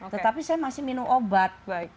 tetapi saya masih minum obat